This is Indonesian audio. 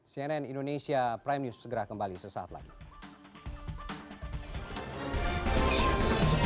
cnn indonesia prime news segera kembali sesaat lagi